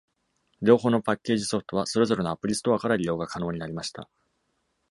両方のパッケージソフトは、それぞれのアプリストアから利用が可能になりました。